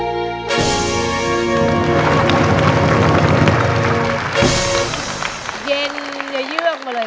ไปยักษ์นานอย่างเดียวไปยักษ์นานอย่างเดียว